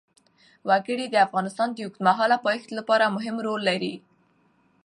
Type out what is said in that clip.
وګړي د افغانستان د اوږدمهاله پایښت لپاره مهم رول لري.